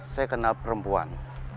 saya kenal perempuan